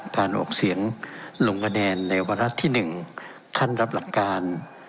การออกเสียงลงคะแนนในวาระที่๑ขั้นรับหลักการ